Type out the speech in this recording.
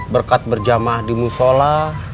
berkat berjamaah di musyola